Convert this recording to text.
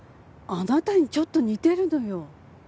あなたにちょっと似てるのよ。